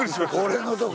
俺のとこ。